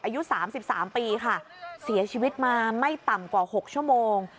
อายุ๓๓ปีค่ะเสียชีวิตมาไม่ต่ำกว่า๖ชั่วโมง